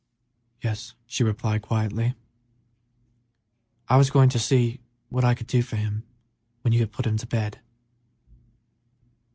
"Yes," she replied, quietly, "I was going to see what I could do for him when you had put him to bed."